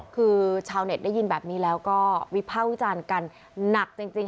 คือชาวเน็ตได้ยินแบบนี้แล้วก็วิภาควิจารณ์กันหนักจริง